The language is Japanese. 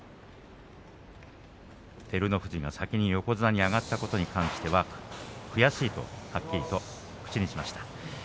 照ノ富士が先に横綱に上がったことに関しては悔しいとはっきりと口にしました。